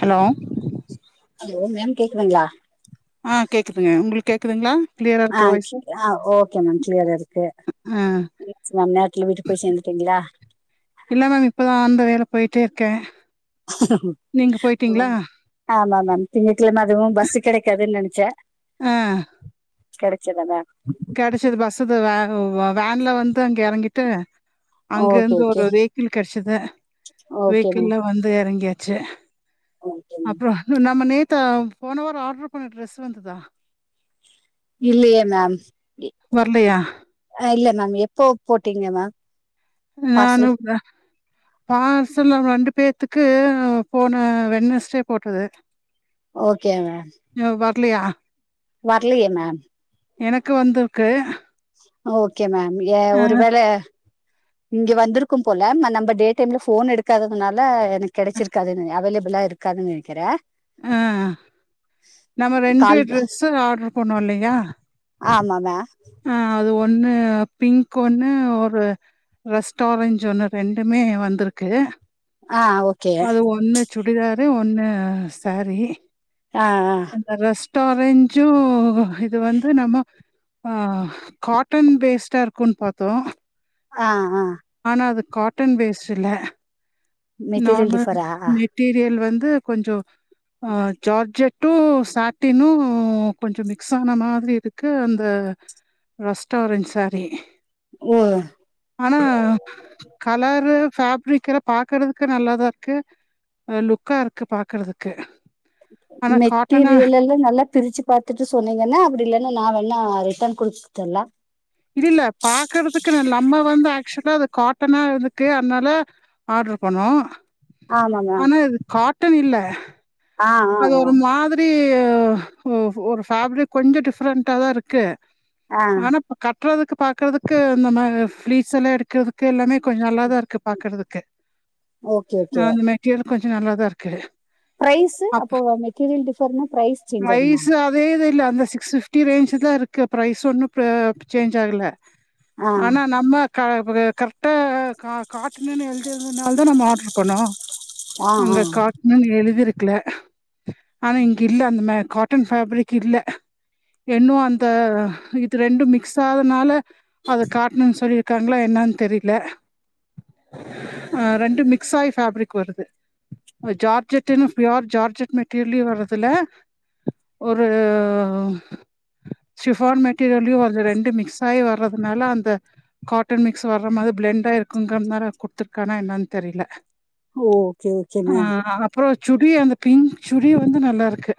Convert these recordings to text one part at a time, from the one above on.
Hello hello ma'am கேக்குதுங்களா ஆ கேக்குதுங்க உங்களுக்கு கேக்குதுங்களா கிளியரா அ இருக்க வாய்ஸு அ ஓகே மேம் கிளியரா இருக்கு ம் இட்ஸ் மேம் நேர வீட்டுக்கு போய் சேந்துட்டீங்களா இல்ல மேம் இப்பதான் வந்து நேரா போயிட்டே இர்க்கே நீங்க போயிட்டீங்களா ஆமா மேம் திங்கட்கிழமை அதுவும் பஸ்சு கிடைக்காது நெனச்ச அ கெடைச்சதன கெடச்சது பஸ் வ வ வேன்ல வந்து அங்க யறங்கிட்டு அங்க ஓகே இருந்து ஓகே ஒரு வெஹக்கிள் கெடச்சது ஓகே வெஹிக்கிள்ள மேம் வந்து இறங்கியாச்சு ஓகே மேம் அப்புற நம்ம நேத்து போனவரோ ஆர்ட்ரு பண்ண ட்ரெஸ் வந்ததா இல்லையே மேம் வர்லையா அ இல்ல மேம் எப்போ போட்டீங்க மேம் நானு பார்சல் ப பார்சல் ரெண்டு பேத்துக்கு போன வென்னஸ்டே போட்டது ஓகே மேம் ன்னு பாக்கலையா வர்லையே மேம் எனக்கு வந்துர்க்கு ஓகே மேம் ஏ ஒருவேள இங்க வந்திருக்கு போல நம்ப டே டைம்ல போன் எடுக்காததுனால எனக்கு கிடைச்சிருக்காது அவேளப்பிலா இருக் காதுனு நினைக்குற ஆ நம்ம ரெண்டு கால் ட்ரெஸ்ஸு ஆர்டரு பண்னோ இல்லையா ஆமாமா ஆ அது ஒண்ணு பிங்க் ஒண்ணு ஒரு ரெஸ்டாரஞ்சு ஒன்னு ரெண்டுமே வந்துருக்கு ஆ ஓ அது ஒன்னு சுடிதாரு ஒன்னு அ சாரி அ அ அந்த ரெஸ்டாரஞ்சு இது வந்து நம்ம அ காட்டன் பேஸ்ட்டா இருக்கும்ன்னு பாத்தோம் ஆ ஆ ஆனா அது காட்டன் பேஸ்ட் இல்ல மெட்டீரியல் நார்மல் டிஃபரா மெட்டீரியல் வந்து கொஞ்சோ அ ஜார்ஜெட் ட்டு சாட்டினும் கொஞ்சோ மிக்ஸ் ஆன மாதிரி இருக்கு அந்த ரெஸ்டாரஞ் சாரி ஒ அ ஆனா கலரு ஃபாப்ரிக் எல்லாம் பாக்குறதுக் க்கு நல்லாதா இருக்கு லுக்கா இருக்கு பாக்குறதுக்கு மெட்டிரியலல் ஏ நல்லா பிரிச்சு பார்த்துட்டு சொன்னீங்கன்னா அப்டி இல்லன்னா நா வேணா ரிட்டன் குடுத்துறல்லா இது இல்ல பாக்குறதுக்கு ந நம்ம வந்து ஆக்சுவலா அது காட்டனா இருக்கு அதனால ஆர்டர் பண்ணோ ஆமா மேம் ஆனா இது காட்டன் இல்ல ஆ ஆ அது ஆ ஒரு மாதிரி ஒ ஒரு ஃபாப்ரிக் கொஞ்சோ டிஃப்ரெண்ட்டா தான் இருக்கு ஆ ஆனா கட்டுறதுக்கு பாக்குறதுக்கு நம்ம ஃப்ளீட்ஸ் எல்லா எடுக்கறதுக்கு எல்லாமே கொஞ்சோ நல்லாதா இருக்கு பாக்குறதுக்கு ஓகே நா ஓகே அந்த மெட்டீரியல் கொஞ்சோ நல்லாதா இருக்கு பிரைஸ்சு அப்போ மெட்டீரியல் டிபர்னா பிரைஸ் சேஞ்ச் ஆகுமா ப்ரைஸ் அதே இது இல்ல அந்த சிக்ஸ் பிப்டி ரேஞ்ச் தா இருக்கு அப்ரோ பிரைஸ் ஒன்னு இப்ப சேஞ்ச் ஆகல ஆ ஆனா நம்ம க கரெக்டா க காட்டன்னன்னு எழுத் திருந்தனால தான் நம்ம ஆர்டர் பண்ணோ ஆ ஆ அங்க காட்டன் எழுதிருக்குல ஆனா இங்க இல்ல அந்த மேர் காட்டன் ஃபாப்ரிக் இல்ல எண்ணு அந்த இது ரெண்டு மிக்ஸ் ஆவரனால அது காட்டணுன்னு சொல்லியிருக்காங்களா என்னானு தெரில அ ரெண்டு மிக்ஸ் ஆய் ஃபாப்ரிக் வருது அது ஜார்ஜட்டன்னு பியூர் ஜார்ஜட் மெட்டீரியலியு வர்ரது இல்ல ஒரு ஷிஃபான் மெட்டீரியல்லையு அது ரெண்டு மிக்ஸ் ஆய் வர்றதுனால அந்த காட்டன் மிக்ஸ் வர்ற மாரி பிளெண்டா இருக்குங்கனால குடுத்துருக்கானா என்னான்னு தெரில ஓ ஓகே ஓகே ஆ மேம் அப்றோ சுடி அந்த பிங்க் சுடி வந்து நல்லா இருக்கு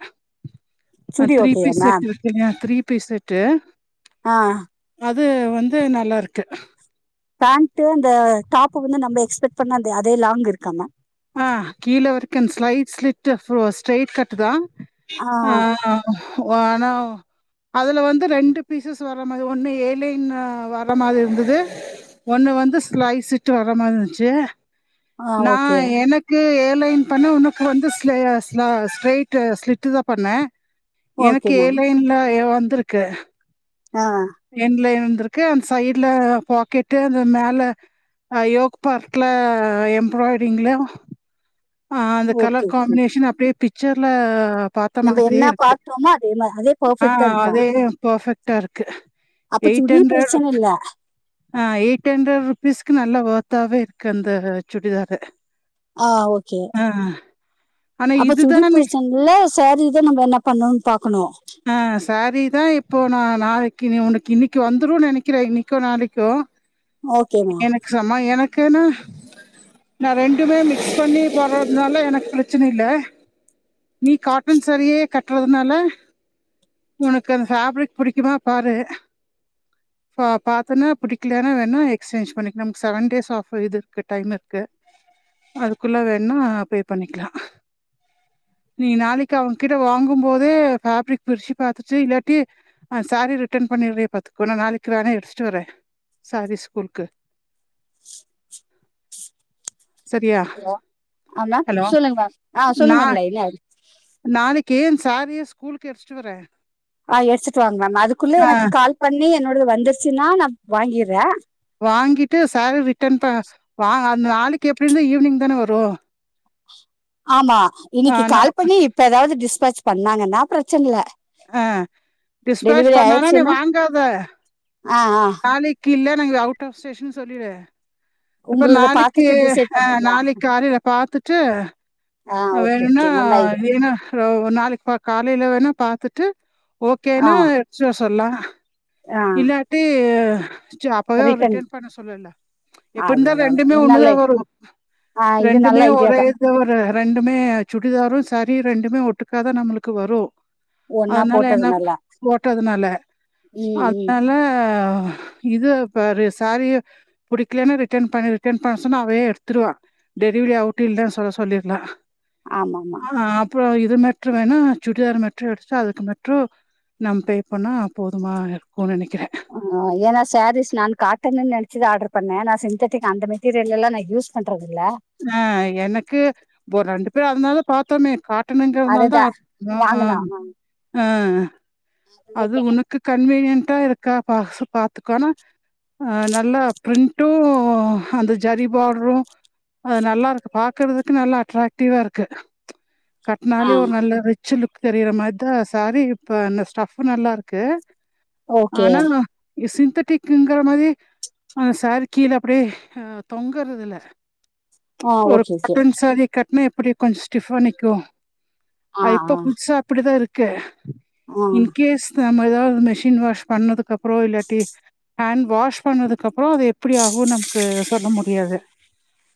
அ சுடி த்ரீ ஓகேயா பீஸ் செட் மேம் இருக் மியா த்ரீ பீஸ் செட்டு ஆ அது வந்து நல்லா இருக்கு பேண்ட்டு அந்த டாப்பு வந்து நம்ம எக்ஸ்பெக்ட் பண்ண அந்த அதே லாங் இருக்கு ஆனா ஆ கீழ வரைக்கு அந்த slight slit for straight cut தா ஆ வானா அதுல வந்து ரெண்டு பீசஸ் வர மாரி ஒண்ணு ஏலைன்னு வர மாரி இருந்தது ஒன்னு வந்து ஸ்லைஸிட்டு வர மாரி இருந்துச்சு ஆ நா ஓகே எனக்கு ஏலைன் பண்ண ஒனக்கு வந்து ஸ்லய ஸ்ல ஸ்ட்ரைட்டு ஸ்லிட்டு தா பண்ணே ஓகே எனக்கு ஏ மேம் லைன்ல எ வந்திருக்கு ஆ என்ட்லைன் வந்திருக்கு அந்த சைடுல பாக்கெட்டு அந்த மேல ஆ யோக் பார்க்ல எம்ப்ராய்ட்டிங்ள ஆ அந்த ஓகே கலர் ஓகே காம்பினேஷன் அப்டியே பிக்சர்ல பாத்த நம்ம மாதிரியே என்ன இருக்கு பாத்தோமோ அதே மா அதே ஆ பர்ஃபெக்ட்டா இருக்கா அதே பர்ஃபெக்ட்டாருக்கு அப்ப எயிட் சுடி பிரச்சனை அண்டர்ட் இல்ல ஆ எயிட் அண்ட்ரட் ருபீஸ்க்கு நல்லா ஒர்த்தாவே இருக்கு அந்த சுடிதாரு ஆ ஓகே ஆ ஆனா அப்ப சுடி இதுதானே ப்ரச்சன இல்ல சாரிதா நம்ப என்ன பண்ணணுன் பாக்கணு ஆ சாரி தா இப்போ நா நாளை க்கி ஒனக்கு இன்னக்கி வந்துருன் நெனைக்கிறே இன்னிக்கோ நாளைக்கோ ஓகேமா [unintelligible] எனக்குனு நா ரெண்டுமே மிக்ஸ் பண்ணி போடுறதுனால எனக்கு பிரச்சனில்ல நீ காட்டன் சாரியே கட்றதுனால ஒனக்கு அந்த ஃபேவ்ரிக் புடிக்குமா பாரு பாத்தோன்னா பிடிக்கலன்னா வேணா எக்ஸ்சேஞ்ச் பண்ணிக்லா நமக்கு செவன் டேஸ் ஆஃப் இது இருக்கு டைம் இருக்கு அதுக்குள்ள வேண்னா போய் பண்ணிக்லா நீ நாளைக்கு அவுங்கிட்ட வாங்கும்போதே ஃபேவ்ரிக் பிரிச்சு பாத்துட்டு இல்லாட்டி அ சாரி ரிட்டன் பண்ணிட்ரி பாத்துக்கோ நா நாளைக்கு வேண்ணா எடுத்துட்டு வரே சாரீ ஸ்கூல்லுக்கு சரியா? ஆ மேம் ஹலோ சொல்லுங்க மேம் ஆ நா சொல்லுங்க மேம் [unintelligible] நாளைக்கு அந்த சாரியா ஸ்கூலுக்கு எடுத்துட்டு வரே ஆ எட்த்துட்டு வாங்க மேம் அதுக்குள்ள எனக்கு கால் பண்ணி என்னோடது வந்துருச்சுனா நா வாங்கிர்றே வாங்கிட்டு சாரி ரிட்டர்ன் ப வா அந்த நாளைக்கு எப்டி இருந்து ஈவ்னிங் தானே வரு ஆமா ஆ இன்னிக்கி கால் நமக்கு பண்ணி இப்ப எதாவ்து டிஸ்பேட்ச் பண்ணாங்கன்னா பிரச்சனல்ல ஆ டிஸ்பேட்ச் பண்ணாங்னா நீ ஆயிடுச்சுன்னா வாங்காத ஆ ஆ நாளைக்கு இல்ல நாங்க அவுட் ஆஃப் ஸ்டேஷன் சொல்லிடு இப்ப உங்களத நாளைக்கு பார்த்துட்டு டிசைட் ஆ பண்ணிடலாம் நாளைக்கு காலைல பாத்துட்டு ஆ ஓகே வேணுன்னா ஓகே நல்ல இது வேணா ப்றோ நாளைக்கு காலைல்ல வேணா பாத்துட்டு ஆ ஓகேன்னா எட்த்து வர சொல்லலா ஆ இல்லாட்டி ச்சோ அப்பவே அவர் ரிட்டன் பண்ண சொல்லிற்லா எப்டிருந்தாலு அவ்வளோதான் ரெண்டுமே ஒண்ணுல நல்ல இது வரு ஆ இது நல்ல ரெண்டுமே ஐடியா ஒரே தான் இந்த ஒரு ரெண்டுமே சுடிதாரு சாரியு ரெண்டுமே ஒட்டுக்காதா நம்மளுக்கு வரு ஒன்னா அதனால போட்டது என்ன நல்லா போட்டதுனால ம் ம் அதுனால இது பெரிய சாரி புடிக்கலன்னா ரிட்டன் பண்ணி ரிட்டன் பண்ண சொன்னா அவனே எடுத்துடுவா டெலிவரி அவுட்டில் தா சொல்ல சொல்லிருந்தே ஆமா ஆமா ஆ அப்றோ இதுமா ட்ரு வேணா சுடிதாரு மட்டு எக்ஸ்ட்ரா அதுக்கு மட்டு நம் பே பண்ணா போதுமா கோ நெனைக்கிற ஆ ஏனா சேரீஸ் நா காட்டனுன் நென்ச்சுதா ஆடரு பண்ண நா சிந்தட்டிக் அந்த மெட்டீரியல் எல்லா நா யூஸ் பண்றதில்ல ஆ எனக்கு ஒரு ரெண்டு பேர் அதனால பாத்தொனே கா ட்டனுங்கரதுனால்தா அதுதா அ அ வாங்கனா அ அது உனக்கு கன்வீனியன்டா இருக்கா பா பாத்துக்கோனா அ நல்லா ப்ரிண்ட்டு அந்த ஜரி பாட்ரு அது நல்லாருக்கு பாக்கறதுக்கு நல்லா அட்ராக்டிவா இருக்கு ஆ கட்னாலே ஒரு நல்ல ரிச்சு லுக் தெரியிற மார்தா சேரீ இப்ப ந ஸ்டஃப் ப்பு நல்லாருக்கு ஓகே ஆனா சிந்தட்டிக்ங்கிற மாரி ஆ சேரீ கீழ அப்படியே அ தொங்கறது இல்ல ஆ ஒரு ஓகே ஓகே காட்டன் சேரீ கட்னா எப்படி கொஞ்ச் ஸ்டிஃபா நிக்கு ஆ அ இப்போ ஆ புதுசா அப்படிதா இருக்கு ஆ கேஸ் நம்ம எதாவ் மிஷின் வாஷ் பண்ணதுக்கு அப்புறோ இல்லாட்டி ஹேண் வாஷ் பண்ணதுக்கு அப்புறோ அது எப்படி ஆகுன் நம்க்கு சொல்ல முடியாது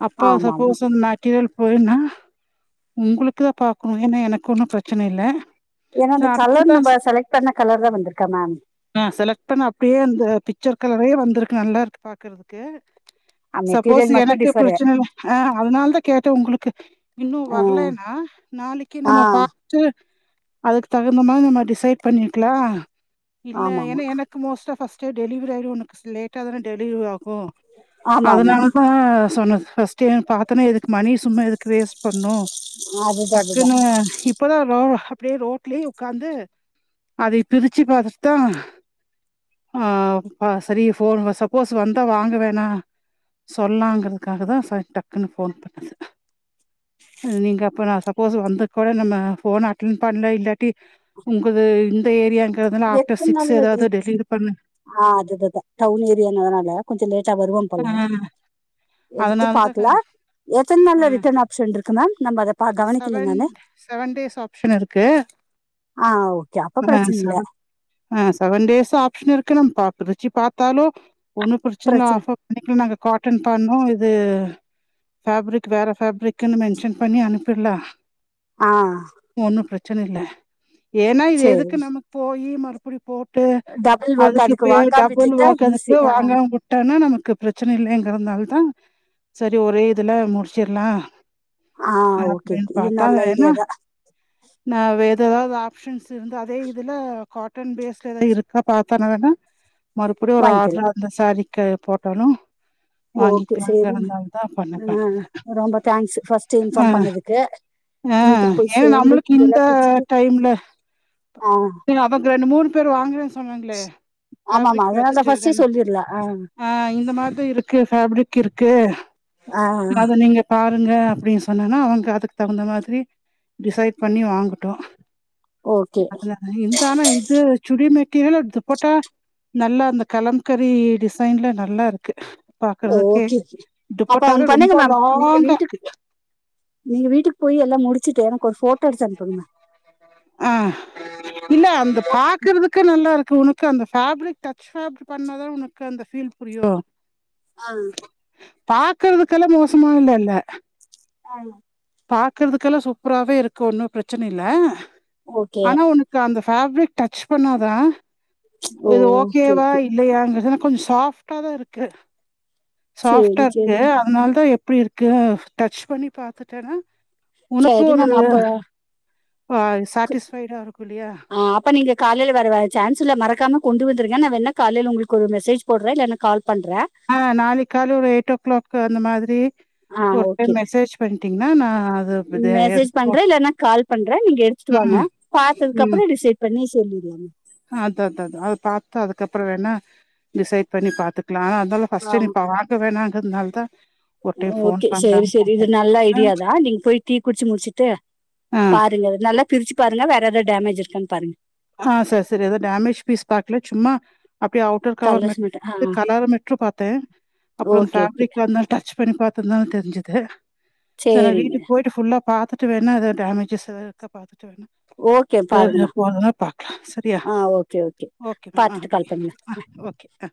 அப்பா ஆமா ஆமா சப்போஸ் [unintelligible] கிழல் போய்ன்னா உங்குளுக்கு தா பாக்கணு ஏன்னா எனக்கு ஒன்னு ப்ரெச்சன இல்ல ஏன்னா சோ அந்த கலர் அதுதா நம்ப செலக் பண்ண கலர் தா வந்திருக்கா மேம் ஆ செலக் பண்ண அப்டியே அந்த பிச்சர் கலரே வந்துருக்கு நல்லாருக்கு பாக்கறதுக்கு சப்போஸ் மெட்டீரியல் மட்டும் எனக்கு டிஃபரு ப்ரெச்சன இல ஆ அதனால் தா கேட்ட உங்குளுக்கு இன்னு ஆ வரலேன்னா நாளிக்கு ஆ நமோ பா ட்டு அதுக் தகுந்த மாரி நம்ம டிசைட் பண்ணிக்கிலா இல்ல ஆமா ஆமா ஏன்ன எனக் கு மோஸ்ட்டா ஃபஸ்ட்டே டெலிவெரி ஆயிரு உனக்கு ஸ் லேட்டா தான டெலிவெரி ஆகு ஆமா ஆமா அதனாலதா சொன்னது ஃபஸ்ட்டே பாத்தோனே எதுக்கு மணி சும்மா எதுக்கு வேஸ்ட் பண்ணு அதுதான் அதுதான் டக்குன்னு இப்பதா ரோ அப்டியே ரோட்ல்யே உக்காந்து அதை பிரிச்சு பாத்துட்தா ஆ அ செரி ஃபோன் வ சப்போஸ் வந்தா வாங்க வேணா சொல்லாங்கிறதுக்காக தா சர் டக்குன்னு ஃபோன் பண்ணது நீங்க அப்ப நா சப்போஸ் வந்து கூட நம்ம ஃபோன் அட்டன் பண்ல இல்லாட்டி உங்குள்து இந்த ஏரியாங்கிறதுனல ஆஃப்டர் எத்தனை சிக்ஸ் நாள் எதாவ்து டெலிவ்ரி பண்ணு ஆ அதுதுதா டவுன் ஏரியானு அதனால கொஞ்சோ லேட்டா வருவாம்போல அதனால் தாங்க எத்தன் நாள்ல ரிட்டர்ன் ஆப்ஷன்ட்ருக்கு மேம் நம்ம அத பா கவனிக்கில நானு டேஸ் ஆப்ஷன் இருக்கு. ஆ ஓகே அப்போ ஆ ப்ரெச்சன் இல்ல ஆ செவன் டேஸ் ஆப்ஷன் இருக்கு நம் பாத் [unintelligible] பிரிச்சு பாத்தாலோ ஒண்ணு பிரிச்ச பிரச்சனை ஆஃப அன்னைக்கு நாங்க காட்டன் பண்ணுவோ இது ஃபேப்ரிக் வேற ஃபேப்ரிக்ன்னு மென்சன் பண்ணி அனுப்பிட்லா ஆ ஒன்னு ப்ரெச்சனில்ல ஏன்னா இது சரி எதுக்கு நம்ம போயி மறு படி போட்டு டபுள் ஒர்க் அதுக்கு பேர் வாங்காம விட்டுட்டா ஈஸி [unintelligible] ஆ வாங்காம விட்டானா நமக்கு ப்ரெச்சன இல்லேங்கிறத்னால் தா செரி ஒரே இதுல முடிச்சிட்லா ஆ ஓகே அப்டின் ஓகே இது பாத்தா நல்ல ஏனா ஐடியா தான் நா வேது எதாவ்து ஆப்ஷன்ஸ் இருந்து அதே இதுல காட்டன் பேஸ்ட் எதா இருக்கா பாத்தன வேணா மறுபடியு ஒரு வாங்கிக்கலாம் ஆர்டர் அந்த சாரீக்கு போட்டாலு ஓகே வாங்கிக்கலாங்க சரி ந்தால தா பண்னே ஆ, பண் ரொம்ப தேங்க்ஸ் ஃபர்ஸ்ட் ஆ இன்ஃபார்ம் பண்ணதுக்கு ஆ வீட்டுக்கு போய் ஏ சேர்ந்து நம்மளுக்கு டீ இந்த எல்லாம் குடிச்சிட்டு டைம்ல ஆ அவங்க [unintelligible] பேரு வாங்குறே ஸ் ஆமா ஆமா அதுனால தா ஃபர்ஸ்டே ரெண்டு சொல்லிரலா ஆ ஆ இந்த மாதிரி இருக்கு ஃபேப்ரிக் இருக்கு ஆ அத நீங்க பாருங்க அப்டின்னு சொன்னன்னா அவங்க அதுக்கு தகுந்த மாதிரி டிசைட் பண்ணி வாங்கட்டு ஓகே இந்தான இது சுடிமெட்ரியல் அ துபட்டா நல்லா அந்த கலம்கரி டிஸ் சைன்ல நல்லா இருக்கு பாக்குறதுக்கே. ஓகே அப்ப துப்பட்டாவே ஒன்ன ரொம்ப பண்ணுங்க மேம் நீங்க லாங்கா வீட்டுக்கு இருக்கு. நீங்க வீட்டுக்கு போய் எல்லா முடிச்சுட்டு எனக்கு ஒரு போட்டோ எடுத்து அனுப்புங்க மே ஆ இல்ல அந்த மேம் பாக்குறதுக் க்கு நல்லா இருக்கு உனக்கு அந்த ஃபாப்ரிக் டச் ஃபாப் பண்ணாதா உனக்கு அந்த ஃபீல் புரியு அது பாக்குறதுக்கெல்லா மோசமா இல்லல்ல ஆ யோ பாக்குறதுக்கெல்லா சூப்பராவே இருக்கு ஒன்னு பிரச்சன இல்ல ஓகே ஆனா உனக் க்கு அந்த ஃபாப்ரிக் டச் பண்ணாதா ஓ இது ஓகே ஓகேவா ஓகே இல்லையா அங்க இதுனா கொஞ் சாஃப்ட்டா தா இருக்கு சாஃப்ட்டா சேரி இருக்கு சேரிங்க அதனால தா எ ப்பிடி இருக்கு டச் பண்ணி பாத்துட்டேனா ஒனக்கு சரி ஒரு மேம் அப்ப பா சாட்டிஸ்பைடா இருக்கு இல்லையா அப்பா நீங்க காலையில வரவ சான்ஸ் இல்ல மறக்காம கொண்டு வந்துருங்க நா வேனா காலையில உங்களுக்கு ஒரு மெசேஜ் போடுறே இல்லன்ன கால் பண்றே ஆ நாளைக் காலைல ஒரு எயிட் ஓ கிளாக் அந்த மாதிரி ஆ ஒரு ஓகே டைம் மெசேஜ் பண்ணிட்டீங்கனா நா அது இது மெசேஜ் எடுக்கோன் பண்றே இல்லன்னா கால் பண்றே நீங்க எடுத்துட்டு வாங்க பார்த்ததுக்கு அப்ற டிசைட் பண்ணி சொல்லிவேங்க அ அது அது அது அத பாத்து அதுக்கப்புற வேணா டிசைட் பண்ணி பாத்துக்லா தாலு ஆ ஃபர்ஸ்ட்டே நீ பாக்க வேணாங்கரதுனால தா ஒரு டைம் ஃபோன் ஓகே சேரி பண்லான்னு சேரி பாத்தே இது நல்ல ஆ ஐடியாதா நீங்க போய் டீ குடிச்சு முடிச்சுட்டு பாருங்க நல்லா பிரிச்சு பாருங்க வேற ஏதா டேமேஜ் இருக்கானு பாருங்க ஆ சேரி சேரி ஏதா டேமேஜ் பீஸ் பாக்கல சும்மா அப்டியே அவுட்டர் கவர் ம கலர்ஸ் மட்டு ஆ கலர மட்று பாத்தே அப்றோ அது ஓகே ஓகே ஃபேப்ரிக்ந்தா டச் பண்ணி பா [unintelligible] தெருஞ்சுது சே நா சேரிங்க வீட்டுக்கு போயிட்டு ஃபுல்லா பாத்துட்டு வேணா எதா டேமேஜஸ் எதா இருக்க பாத்துட்டு வேணா ஓகே பாருங்கமா போனோன பாக்கலா சரியா ஆ ஓகே ஓகே மேம் ஆ பாத்துட்டு பாய் கால் பண்ணுங்க ஆ ஓகே ஆ